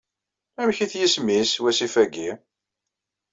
Amek-it yisem-nnes wasif-ayi?